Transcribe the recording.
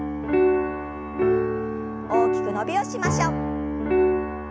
大きく伸びをしましょう。